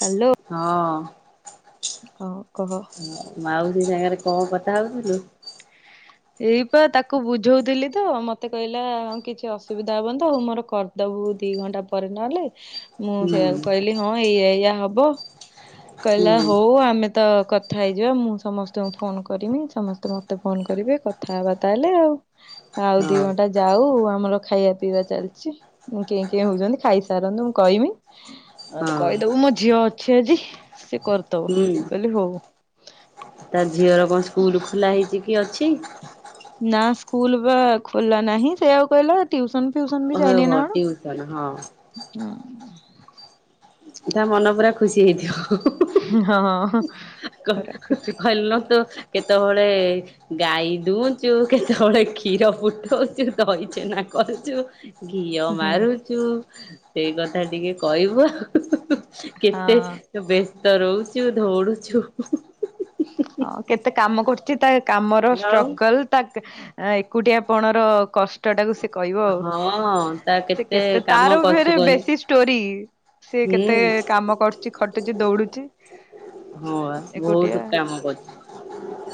Hello. ହଁ। ଆଉ କହ। ମାଉସୀ ସାଙ୍ଗରେ କଣ କଥା ହଉଥିଲୁୁ। ଏଇବା ତାକୁ ବୁଝଉଥିଲି ତ ମତେ କହିଲା ହଁ କିଛି ଅସୁବିଧା ହେବନିତ ହଉ ମୋର କର। ଦବୁ ଦି ଘଣ୍ଟା ପରେ ନହେଲେ ମୁଁ ହୁଁ ସେଇଆକୁ କହିଲି ହଁ ଏଇ ଏଇଆ ହବ କହିଲା ହୁଁ ହଉ। ଆମେ ତ କଥା ହେଇଯିବା ମୁଁ ସମସ୍ତଙ୍କୁ ଫୋନ୍ କରମି ସମସ୍ତେ ମୋତେ ଫୋନ୍ କରିବେ। କଥାବାର୍ତ୍ତା ହେଲେ ଆଉ। ଆଉ ଦି ହଁ ଘଣ୍ଟା ଯାଉ ଆମର ଖାଇବା ପିଇବା ଚାଲିଛି ଉଁ କେଁ କେଁ ହଉଛନ୍ତି ଖାଇସାରନ୍ତୁ ମୁଁ କହିମି। ଆଉ ତ ହଁ କହିଦବୁ ମୋ ଝିଅ ଅଛି ଆଜି ସେ କର୍ ଦବ ମୁ କହିଲି ହଉ। ତାର୍ ଝିଅର କଣ ସ୍କୁଲ ଖୋଲା ହେଇଛି କି ଅଛି? ନା ସ୍କୁଲ ବା ଖୋଲା ନାହିଁ ସେଇଆଉ କହିଲା ଟ୍ୟୁସନ୍ ଫ୍ୟୁସନ୍ ବି ଯାଇନି ଓହୋ ନା ଟିଉସନ ହଁ। ତା ମନ ପୁରା ଖୁସି ହେଇଯିବ ହବ। ହୁଁ ହ ହଁ ହଁ। କ୍‌ ହ କହିଲ ତ କେତେବେଳେ ଗାଈ ଦଉଛୁ କେ-ତେ-ବେ-ଳେ କ୍ଷୀର ଫୁ-ଟ-ଉଛୁ ତଇଛେନା କରୁଛୁ। ଘିଅ ହୁଁ ମାରୁଛୁ ସେଇ କଥା ଟିକେ କହିବୁ- ହୁ--ହୁ-ହୁ। କେତେ ହଁ। ବ୍ୟସ୍ତ ରହୁଛୁ ଦୌଡୁଛୁ ହୁ ହୁ। ହଁ କେତେକେ କାମ କରୁଛି ତା କାମର ଆଉ ଷ୍ଟ୍ରଗଲ ତା ଏକୁଟି ପଣର କଷ। ଟାଟାକୁ ସେ କହିବ ଆଉ ହଁ ତା ସେ କେତେ କାମ ତାର କରୁଛି ଭେରେ କହନି ବେଶି ଷ୍ଟୋରି। ସିଏ ହୁଁ କେତେ କାମ କରୁଛି ଖଟୁଛି ଦୌଡୁଛି? ହଁ ବା ଏକୁଟିଆ ବହୁତ କାମ କରୁଛି।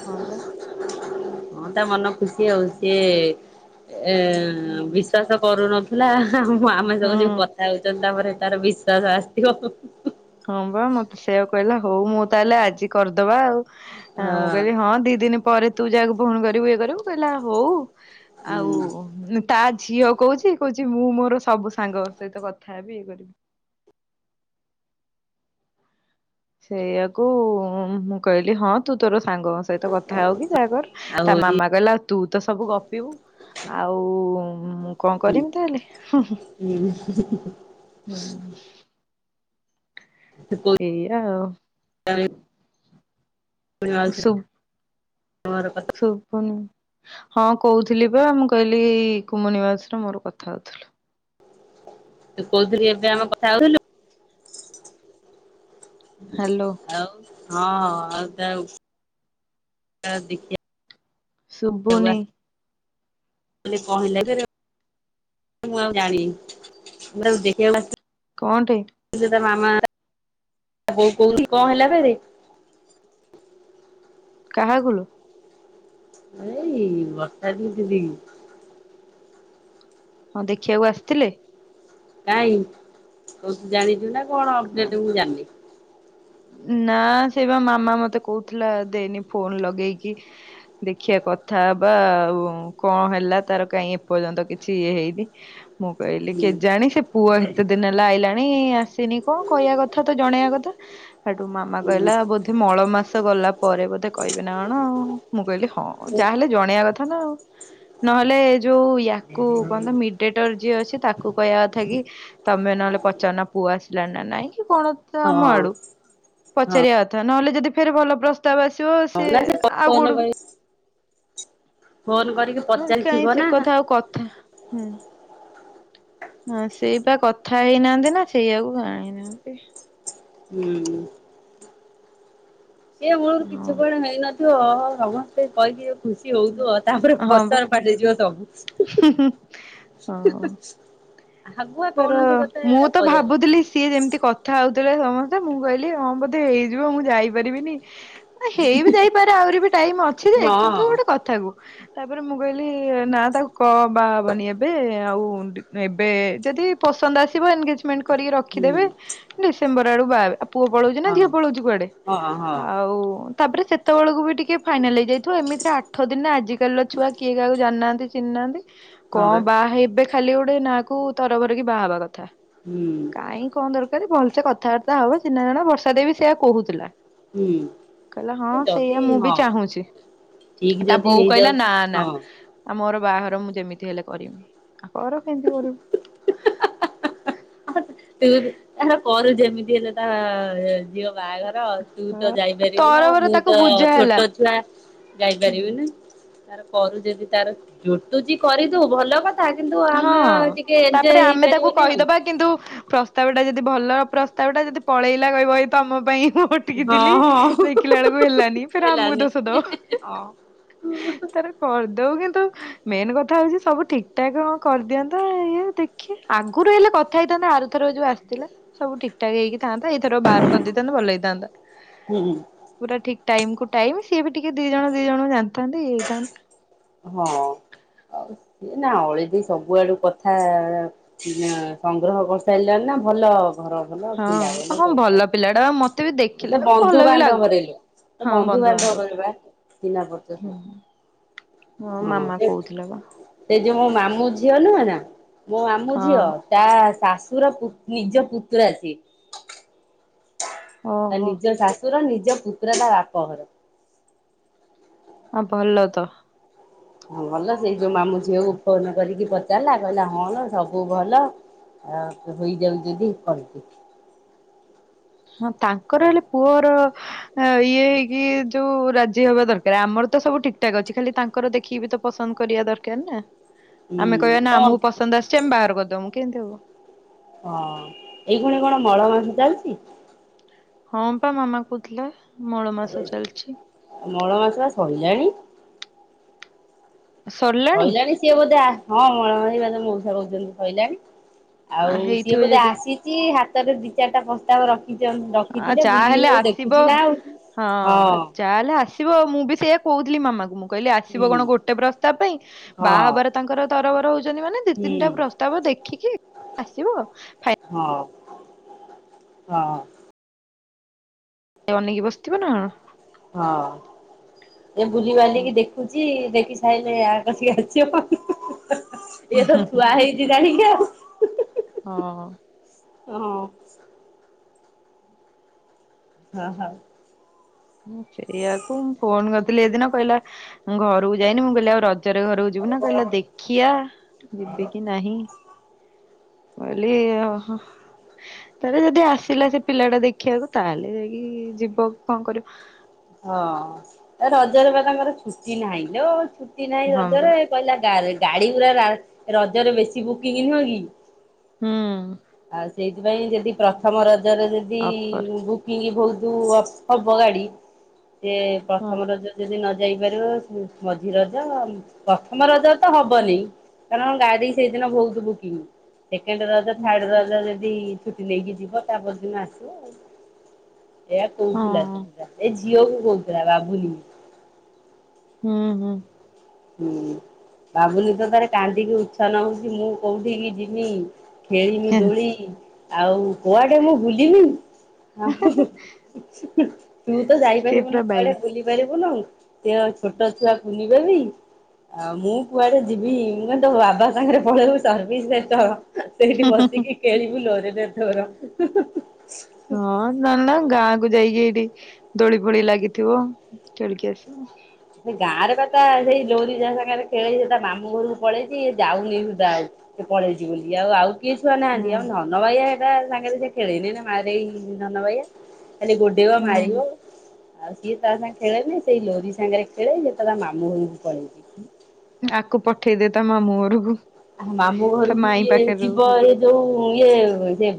ହଁ ବା ହଁ ତା ମନ ଖୁସି ଆଉ ସେ ଏ ବିଶ୍ଵାସ କରୁନଥିଲା ଆ ଆମେ ସବୁ ହଁ। ଯୋଉ କଥା ହଉଛନ୍ତି ତାପରେ ତାର ବିଶ୍ୱାସ ଆସିଥିବ। ହଁ ବା ମତେ ସେୟା କହିଲା ହଉ ମୁଁ ତାହେଲେ ଆଜି କରିଦବା ଆଉ। ହଁ ମୁଁ କହିଲି ହଁ ଦି ଦିନ ପରେ ତୁ ଯାହାକୁ ଫୋନ୍ କରିବୁ ଇଏ କରିବୁ କହିଲା ହଉ। ଆଉ ହୁଁ [unintelligible] ତା ଝିଅ କହୁଛି କହୁଛି ମୁଁ ମୋର ସବୁ ସାଙ୍ଗ ସହିତ କଥା ହେବି ଇଏ କରିବି। ସେଇଆକୁ ମୁଁ କହିଲି ହଁ। ତୁ ତୋର ସାଙ୍ଗଙ୍କ ସହିତ କଥା ହଉ କିି ଯାହାକର ଆଉ ତା ହଉଛି ମାମା କହିଲା ତୁ ତ ସବୁ ଗପିବୁ ଆଉ ମୁଁ କଣ କରିବି ତାହେଲେ ହୁଁ ହୁଁ। ସେ କୋଉ ଏଇଆ ଆଉ। [unintelligible] ଶୁବୁନୁ। ହଁ କହୁଥିଲି ପା ମୁଁ କହିଲି କୁମୁନି ମାଉସି ର ମୋର କଥା ହଉଥିଲୁ। ତୁ କୋଉ ଦିନ [unintelligible] ହେଉ ଥିଲୁ? ହ୍ୟାଲୋ ଆଉ ହଁ ଆଉ ତା ତା ଦେଖିବା। ଶୁବୁନି। ମୋତେ କହିଲା ଯେ ମୁଁ ଆଉ ଜାଣିନି ମୁଁ ଆଉ ଦେଖିବାକୁ ଆସିନି। କଣଟେ? [unintelligible] ଆ ମାମା ବୋଉ କୋଇଠି କଣ ହେଲା ଫେରେ। କାହାକୁଲୋ। ଏଇ ବର୍ଷାକୁ ଯିବି। ହଁ ଦେଖିବାକୁ ଆସିଥିଲେ? କାଇଁ କଉଠି ଜାଣିଛୁ ନା କଣ ଅପଡେଟ ମୁଁ ଜାଣିନି? ନା ସେଇ କଣ ମାମା ମତେ କହୁଥିଲା ଦେଇନି ଫୋନ ଲଗେଇକି ଦେଖିବା କଥା ହେବା ଆଉ କଣ ହେଲା ତାର କାହିଁ ଏପର୍ଯ୍ୟନ୍ତ କିଛି ଇଏ ହେଇନି। ମୁଁ କହିଲି ହୁଁ କେଜାଣି ସେ ପୁଅ ଏତେ ଦିନ ଲା ଆଇଲାଣି ଆସିନି କଣ କହିବା କଥା ତ ଜଣେଇବା କଥା ହେଇଠୁ ମାମା ହଁ କହିଲା ମଳ ମାସ ଗଲା ପରେ ବୋଧେ କହିବେ ନା କଣ ମୁଁ କହିଲି ହଁ। ଯାହାହେଲେ ଜଣେଇବା କଥା ନା ଆଉ ନହେଲେ ଏ ଯୋଉ ୟାକୁ କଅତ ମି ମିଡେଟର ଯିଏ ଅଛି ତାକୁ କହିବା କଥା କି ତମେ ନହେଲେ ପଚାରୁନ ପୁଅ ଆସିଲା ନା ନାଇଁ କି କଣ? ତ ଆମ ଆଡୁ ହଁ ପଚାରିବା କଥା ନହେଲେ ଯଦି ଫେର ଭଲ ପ୍ରସ୍ତାବ ଆସିବ ହଁ ସେ ନା ଆଉ ଫୋନ କୋଉଠୁ? କରି ଫୋନ କରିକି ପଚାରିଥିବ କାଇଁ ନା ସେ ହୁଁ। କଥା ଆଉ କଥା ହୁଁ। ହଁ ସେଇ ବା କଥା ହେଇନାହାନ୍ତି ନା ସେଇଆକୁ ଆଇ ନାହାନ୍ତି। ହୁଁ। କିଏ ମୂଳରୁ ହଁ କିଛି କୁଆଡ଼େ ହେଇ ନଥିବ ସମସ୍ତେ କହିକି ଖୁସି ହଉଥିବ ତାପରେ ହଁ ବା ଫସାର ଫଟିଯିବ ସବୁ। ହୁଁ ହଁ ହୁଁ। ତାର ମୁଁ ତ କଥା ଭାବୁଥିଲି ସିଏ ଯେମତି କ କଥା ହଉଥିଲେ ସମସ୍ତେ ମୁଁ କହିଲି ହଁ ବୋଧେ ହେଇଯିବ ମୁଁ ଯାଇପାରିବିନି। ହେଇ ବିି ଯାଇପାରେ ଆହୁରି ବି ଟାଇମ୍ ଅଛି ଯେ କିନ୍ତୁ ହଁ ଗୋଟେ କଥା କୁ। ତାପରେ ମୁଁ କହିଲି ନା ତାକୁ କ ବାହାହବନି ଏବେ ଆଉ ଏବେ ଯଦି ପସନ୍ଦ ଆସିବ ଏନଗେଜମେଣ୍ଟ କରିକି ହୁଁ ରଖିଦେବେ ଡିସେମ୍ବର ଆଡୁ ବାହା ହେବେ। ପୁଅ ପଳଉଛି ନା ହଁ ଝିଅ ପଳଉଛି କୁଆଡେ ହଁ ହଁ ଆଉ ତାପରେ ସେତେବେଳକୁ ବି ଟିକେ ଫାଇନାଲ ହେଇଯାଇଥିବ ଏମିତିରେ ଆଠ ଦିନରେ ଆଜିକାଲି ଛୁଆ କିଏ କାହାକୁ ଜାଣି ନାହାନ୍ତି ଚିହ୍ନାହାନ୍ତି ହଁ ବା କଣ ବାହା ହେଇବେ ଖାଲି ଗୋଟେ ନାକୁ ତରଭର କିି ବାହାହବା କଥା ହୁଁ କାଇଁ କଣ ଦରକାର ଭଲସେ କଥାବାର୍ତ୍ତା ହବ ଚିହ୍ନା ଜଣ ବର୍ଷା ଦେବ ସେୟା କହୁଥିଲା। ହୁଁ କହିଲ ହଁ ଯଦି ସେଇଆ ମୁଁ ବି ହଁ ଚାହୁଁଛି। ଠିକ ତା ଯଦି ବୋଉ କହିଲା ହେଇଯାଉଛି ନା ନା ହଁ ଆଉ ମୋର ବାହାଘର ମୁଁ ଯେମିତି ହେଲେ କରିବି ଆଉ କର କେମିତି କରିବୁ। ତାର କରୁ ଯେମିତି ହେଲେ ତା ଝିଅ ବାହାଘର ତୁ ତ ଆ ଯାଇପାରିବୁନ ତରବର ମୁଁ ତାକୁ ତ ବୁଝା ହେଲା। ଛୋଟ ଛୁଆ ଗାଇପାରିବି ନା ତାର କରୁ ଯଦି ତାର ଜୁଟୁଛି କରିଦଉ ଭଲ କଥା କିନ୍ତୁ ହଁ ଆମେ ଟିକେ ଏଞ୍ଜୟ ତାପରେ ଆମେ ତାକୁ ହେଇପାରିବନି ଆଉ କହିଦବା କିନ୍ତୁ ପ୍ର ପ୍ରସ୍ତାବଟା ଯଦି ଭଲ ପ୍ରସ୍ତାବଟା ଯଦି ପଳେଇଲା କହିବ ତ ଆମ ପାଇଁ ଥିଲି ହଁ ହଁ ଦେଖିଲା ବେଳକୁ ହେଲାନି ଫେରେ ଆମକୁ ହେଲାନି ଦୋଷ ଦଉ ହଁ ତାର କରିଦଉ କିନ୍ତୁ ମେନ୍ କଥା ହଉଛି ସବୁ ଠିକ ଏଟା କଣ କରିଦିଅନ୍ତା ଇଏ ଦେଖିଆ ଆଗରୁ ହେଲେ କଥା ହେଇଥାନ୍ତା ଆରୁ ଏଥର ଯୋଉ ଆସିଥିଲା ସବୁ ଠିକଠାକ ହେଇକି ଥାନ୍ତା ଏଇଥର ବାହାର କରିଦେଇଥାନ୍ତତା ଭଲ ହେଇଥାନ୍ତା। ହୁଁ ହୁଁ ପୁରା ଠିକ ଟାଇମ କୁ ଟାଇମ ସିଏ ବି ଟିକେ ଦି ଜଣ ଦି ଜଣ କୁ ଜାଣିଥାନ୍ତି ଇଏ ହେଇଥାନ୍ତ। ହଁ ଆଉ ସଏ ନା ଅଳିଦି ସବୁଆଡୁ କଥା ସଂଗ୍ରହ କରିସାରିଲାଣି ନା ଭଲ ଘର ବଲ ଆଉ ହଁ ପିଲା ଭଲ ହଁ ସବୁ ଭଲ ପିଲାଟା ବା, ମତେ ବି ସେ ଦେଖିଲା ବେଳକୁ ଭଲ ବି ଲାଗୁ ବନ୍ଧୁବାନ୍ଧବରେଲୋ ତ ବନ୍ଧୁବାନ୍ଧବ ରେ ପା ଚିହ୍ନ ହୁଁ ପରିଚୟ ମୋ ହଁ ମାମା କହୁଥିଲା ବା ସେ ଯୋଉ ମୋ ମାମୁଁ ଝିଅ ନୁହେ ନା ମୋ ମାମୁଁ ହଁ ଝିଅ ତା ଶାଶୁର ନିଜ ପୁତୁରା ସିଏ ତା ଓହୋ ନିଜ ଶାଶୁର ନିଜ ପୁତ୍ର ତା ବାପଘର ହଁ ଭଲ ତ ହଁ ଭଲ ସେଇ ଯୋଉ ମାମୁଁ ଝିଅକୁ ଫୋନ କରିକି ପଚାରଲା କହିଲା ହଁ ସବୁ ଭଲ ଆଉ ତ ହେଇଯାଉ ଯଦି କରଦ ହଁ ତାଙ୍କର ହେଲେ ପୁଅର ଆଁ ଇଏ ହେଇକି ଯୋଉ ରାଜି ହବା ଦରକାର ଆମର ତ ସବୁ ଠିକଠାକ ଅଛି ଖାଲି ତାଙ୍କର ଦେଖିକିବି ତ ପସନ୍ଦ କରିବା ଦରକାର ନା ଆମେ କହିବା ହୁଁ ନା କଣ ଆମକୁ ପସନ୍ଦ ଆସିଛି ଆମେ ବାହାର କରିଦମୁ କେମିତି ହବ ହଁ ଏଇ ଖୁଣି କଣ ମଳ ମାସ ଚାଲିଛି। ହଁ ପା ମାମା କହୁଥିଲା ମଳ ମାସ ଚାଲିଛି। ଆଉ ମଳ ମାସ ବା ସଇଲାଣି ସରିଲାଣି ସହିଲାଣି ସିଏ ବୋଧେ ଆ ହଁ ମଳମ ବାଧ ମଉସା କହୁଛନ୍ତି ସଇିଲାଣି ଆଉ ସିଏ ହେଇଥିବ ବୋଧେ ଯଦି ଆସିଛି ହାତରେ ଦି ଚାରିଟା ପ୍ରସ୍ତାବ ରଖି ଆ ରଖିଥିଲେ ବୁଲି ଯାହାହେଲେ ହଉ ଦେଖୁଛି ନା ଆଉଠ ହଁ ଯ ହେଲେ ଆସିବ ମୁଁ ବି ସେଇୟା କହୁଥିଲି ମାମା କ ମୁଁ କହିଲି ହଁ ଆସିବ ହୁଁ କଣ ଗୋଟେ ପ୍ରସ୍ତା ପାଇଁ ବାହା ହଁ ହବାର ତାଙ୍କର ତରବର ହଉଛନ୍ତି ମାନେ ଦି ହୁଁ ତିନିଟା ପ୍ରସ୍ତାବ ଦେଖିକି ଆସ ହଁ ହଁ ଅନେଇକି ବସିଥିବ ନା ହଁ ଏ ବୁଝିପାରିଲ ହୁଁ କି ଦେଖ ଖୁଛି ଦେଖି ସାରିଲେ ଆୟ କରଛିକି ଆଛି ହୁଁ ଇଏ ତ ହୁଁ ଛୁଆ ହେଇ ଯଦଣ କ ହଁ ହଁ ହଁ ହଁ ହଁ ସେଇଆକୁ ମୁଁ ଫୋନ କରିଥିଲି ହେ ଦିନ କହିଲା ମୁ ଘରକୁ ଯାଇନି ମୁଁ କହିଲି ଆଉ ର ନିଚର ଘରକୁ ଯିବୁ ନା କହିଲା ଦେଖଆ ଯିବି କି ନାହିଁ କଇଲି ତାେଲେ ଯଦି ଆସିଲା ସେ ପିଲା ଟା ଦେଖିବାକୁ ତାହେଲେ ଯାଇକି ଯିବ କଣ କରିବ। ହଁ। ରଜରେ ବା ତାଙ୍କର ଛୁଟି ନାହିଁ ଲୋ ଛୁଟି ନାହିଁ ହଁ ବା ରଜରେ। କହିଲା ଗାରେ ଗାଡି ପୁରା ରଜରେ ବେଶୀ ବୁକିଂ ନୁହଁ କି। ହୁଁ ଆଉ ସେଇଥିପାଇଁ ଯଦି ପ୍ରଥମ ରଜରେ ଯଦି ଅଫର ବୁ ବୁକିଙ୍ଗ ବହୁତ ହବ ଗାଡି, ସେ ହଁ ପ୍ରଥମ ରଜ ଯଦି ନ ଯାଇ ପାରିବ ମଝି ରଜ। ପ୍ରଥମ ରଜ ତ ହବନି। କାରଣ ଗାଡି ସେଇଦିନ ବହୁତୁ booking. Second Raja third Raja ଯଦି ଛୁଟି ନେଇକି ଯିବ ତାପରଦିନ ଆସିବ ଆଉ। ଏଇୟା କହୁଥିଲା ହଁ ତ। ଏ ଝିଅ କୁ କହୁଥିଲା ବାବୁଲି। ହୁଁ ହୁଁ। ହୁଁ। ବାବୁନୀ ତ ତାରେ କାନ୍ଦିକି ଉଛନ ହଉଚି ମୁଁ କୋଉଠିିକି ଯିବି। ଖେଳିମି ଦୋଳି ଆଉ କୁଆଡେ ମୁଁ ବୁଲିବି। [unintelligible] ତୁ ତ ସେ ଯାଇପାରିବୁନୁ ପୁରା କୁଆଡେ ବାଇଆ ବୁଲି ପାରିବୁନୁ। ସିଏ ଛୋଟ ଛୁଆ କୁୁନି ବେବି। ଆଉ ମୁଁ କୁଆଡେ ଯିବି। ମୁଁ କହିଲି ତୋ ବାବା ସାଙ୍ଗରେ ପଳେଇବୁ ସର୍ଭିସ ସେଣ୍ଟର। ସେଇଠି ବସିକି ଖେଳିବୁ ଲୋରି ର ତୋର। ହଁ। ନା ନା ଗାଁକୁ ଯାଇକି ଏଇଠି ଦୋଳି ଫୋଳି ଲାଗିଥିବ ଖେଳିକି ଆସିବ। ସେ ଗାଁରେ ପା ତା ସେଇ ଲୋରି ଯାହା ସାଙ୍ଗରେ ଖେଳେଇ ସେ ତା ମାମୁଁ ଘରକୁ ପଳେଇଚି ଏ ଯାଉନି ସୁଧା। ସେ ପଳେଇଚି ବୋଲି। ଏ ଆଉ ଆଉ କିଏ ଛୁଆ ହୁଁ ନାହାନ୍ତି। ଆଉ ଧନ ବାଇଆ ହେଟା ସାଙ୍ଗରେ ସେ ଖେଳେନି। ହେଟା ମାରେଇ ଧନ ବାଇଆ। ଖାଲି ଗୋ ଡେଇବ ମାରିବ ହୁଁ ଆଉ ସିଏ ତା ସାଙ୍ଗେ ରେ ଖେଳେନି। ସେଇ ଲୋରି ସାଙ୍ଗରେ ଖେଳେ ସେ ତା ମାମୁଁ ଘରକୁ ପଳେଇଚି। ଆକୁ ପଠେଇଦେ ତା ମାମୁୁଁ ଘରକୁ। ମାମୁଁ ତା ଘରକୁ ମାଇଁ ଇଏ ପାଖରେ ରହୁ ଯିବ ଏ ଯୋଉ ଇଏ ସେ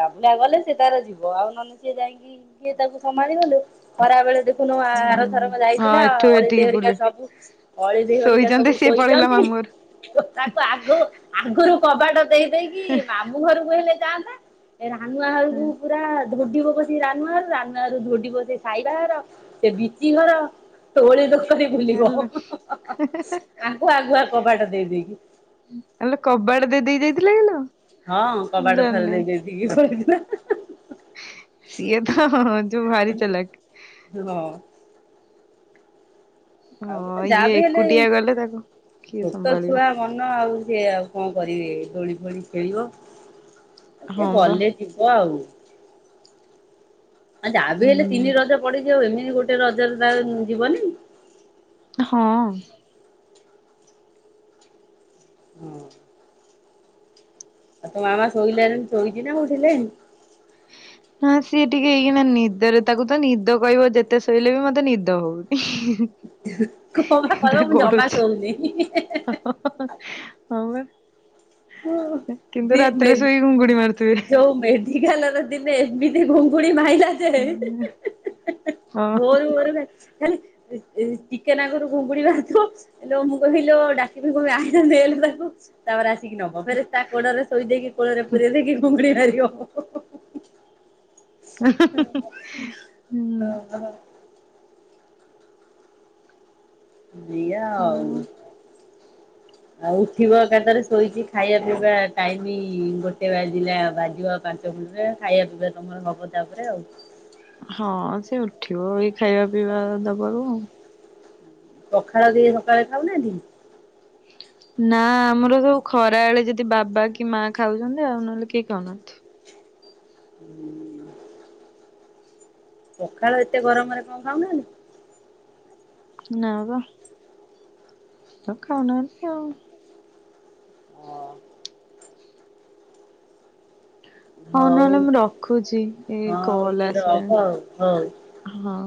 ବାବୁଲା ଗଲେ ସେ ତାର ଯିବ। ଆଉ ନହେଲେ ସିଏ ଯାଇଁକି କିଏ ତାକୁ ସମ୍ଭାଳିବ ଲୋ। ଖରା ବେଳେ ଦେଖୁନୁ ହୁଁ ଆରଥରକ ହଁ ଯାଇଥିଲା ଏଠୁ ଅଳି ଦେଇ ଏଠିକି ହେରିକା ବୁଲେ ସବୁ ଅଳି ଦେଈ ହେରିକା ସବୁ ଶୋଇଛନ୍ତି ସିଏ ପଳେଇଲା ଶୋଇଛନ୍ତି ମାମୁଁ ଘର ତାକୁ ଆଗ ଆଗରୁ କବାଟ ଦେଇ ଦେଇକି ମାମୁଁ ଘରକୁ ହେଲେ ଯାଆନ୍ତା। ଏ ରାନୁଆ ଘରକୁ ହଁ ପୁରା ଧୋଡିବ କଷିକି ରାନୁଆ ଘରୁ ରାନୁଆ ଘରୁ ଧୋଡିବ ସେଇ ସାଇବା ଘର। ସେ ବିଚି ଘର। ତୋଳି [unintelligible] ବୁଲିବ। ହେଲୋ ଆଙ୍କୁ ଆଗୁଆ କବାଟ ଦେଇ ଦେଇକି। ଆଲୋ କବାଟ ଦେଇ ଦେଇକି ଯାଇଥିଲା କିଲୋ। ହଁ। ମୁଁ କବାଟ ଥରେ ଜାଣିନି ଦେଇ ଦେଇକି ପଳେଇଥିଲା। ସିଏ ତ ଯୋଉ ଭାରି ଚାଲାକ୍। ହଁ। ଆଉ ଗୋଟେ ହଁ ଯାହା ଇଏ ବି ହେଲେ ଏକୁଟିଆ ଗଲେ ତାକୁ କିଏ ଛୋଟ ସମ୍ଭାଳିବ ଛୁଆ ମନ ଆଉ ସିଏ ଆଉ କଣ କରିବେ। ଦୋଳି ଫୋଳି ଖେଳିବ। ସେ ହଁ ବା ଗଲେ ଯିବ ଆଉ। ଆ ଯାହା ବି ହେଲେ ହୁଁ ତିନି ରଜ ପଡିଚି ଆଉ ଏମିତି ଗୋଟେ ରଜରେ ତାର ଯିବନି। ହଁ। ହୁଁ। ଆଉ ତୋ ମାମା ଶୋଇଲାଣି ଶୋଇଚି ନା ଉଠିଲାଣି? ହଁ ସିଏ ଟିକେ ହେଇନା ନିଦରେ ତାକୁ ତ ନିଦ କହିବ ଯେତେ ଶୋଇଲେ ବି ମତେ ନିଦ ହଉନି। କଣ ବା ତା କହିବ ମୁଁ ଜମା ଗଡୁଛି ଶୋଉନି। ହଁ ବା। କିନ୍ତୁ ରାତିରେ ଶୋଇ ଘୁଙ୍ଗୁଡି ମାରୁଥିବେ। [unintelligible] ଦିନେ ଏମିତି ଘୁଙ୍ଗୁଡ଼ି ମାଇଲା ହଁ। ଭୋରୁ ଭୋରୁ। [unintelligible] ଖାଲି ଟିକେ ନାକୁରୁ ଘୁଙ୍ଗୁଡ଼ି ମାରିଥିବ ଆଲୋ ମୁଁ କହିବି ଲୋ ଡାକିବି କହିବି ଆଲୋ ନେଲୋ ତାକୁ, ତାପରେ ଆସି ଠିକି ନବ ଫେରେ ତା କୋଡ଼ ରେ ଶୋଇ ଦେଇକି କୋଳରେ ପୁରେଇ ଦେଇକି ଘୁଙ୍ଗୁଡ଼ି ମାରିବ। ହ [unintelligible] ଅ ଅ ଦିଅ ଆଉ। ଆଉ ଉଠିବ ଏକାତରେ ଶୋଇଛି ଖାଇବା ପିଇବା ଟାଇମି ଗୋଟେ ବାଜିଲା ବାଜିବ ପାନ୍ [unintelligible] ଖାଇବା ପିଇବା ତମର ହବ ତାପରେ ଆଉ। ହଁ ସେ ଉଠିବ ଏଇ ଖାଇବା ପିଇବା ଦବାକୁ ଆଉ। ପଖାଳ ଦେଇ ସକାଳେ ଖାଉନାହାନ୍ତି କି? ନା ଆମର ସବୁ ଖରାବେଳେ ଯଦି ବାବା କି ମା ଖାଉଛନ୍ତି ଆଉ ନହେଲେ କେଇ ଖାଉନାହାନ୍ତି। ହୁଁ ପଖାଳ ଏତେ ଗରମରେ କଣ ଖାଉନାହାନ୍ତି? ନା ବା ଆଉ ଖାଉନାଆନ୍ତି ଆଉ। ହଁ। ହଉ ନହେଲେ ମୁଁ ରଖୁଛି ଏଇ ହଁ ତୁ କଲ୍ ରଖ ଆଉ ହଉ। ଆସିଲାଣି ହଁ।